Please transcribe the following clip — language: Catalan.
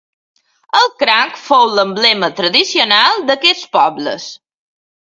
El cranc fou l'emblema tradicional d'aquests pobles.